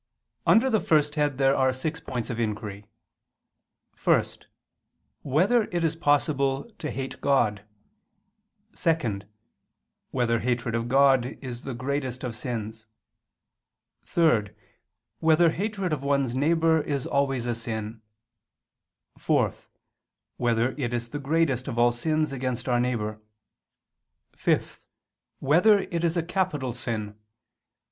Under the first head there are six points of inquiry: (1) Whether it is possible to hate God? (2) Whether hatred of God is the greatest of sins? (3) Whether hatred of one's neighbor is always a sin? (4) Whether it is the greatest of all sins against our neighbor? (5) Whether it is a capital sin?